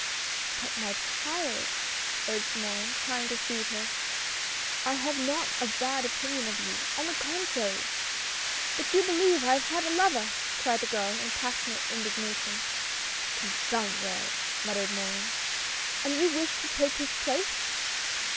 174 HOPES. " But, my child, urged Morin, trying to soothe her, " I have not a bad opinion of you — on the contrary " But you believe I have had a lover !" cried the girl, in passionate indignation. " Confound it all," muttered Morin. " And you wish to take his place